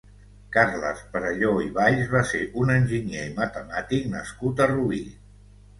Carles Perelló i Valls va ser un enginyer i matemàtic nascut a Rubí.